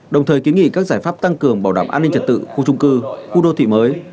đồng thời kiến nghị các giải pháp tăng cường bảo đảm an ninh trật tự khu trung cư khu đô thị mới